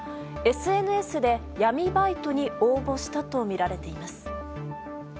ＳＮＳで闇バイトに応募したとみられています。